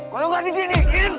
kalo gak di sini